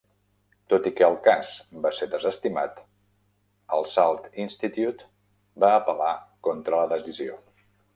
Tot i que el cas va ser desestimat, el Salt Institute va apel·lar contra la decisió.